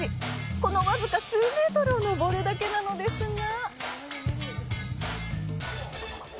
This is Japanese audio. この僅か数メートルを登るだけなのですが。